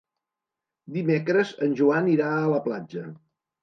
Dimecres en Joan irà a la platja.